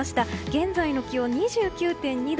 現在の気温、２９．２度。